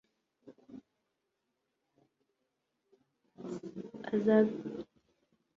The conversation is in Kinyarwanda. azagaruka aje kudutwara twese, kugira